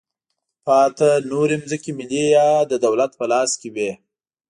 پاتې نورې ځمکې ملي یا د دولت په لاس کې وې.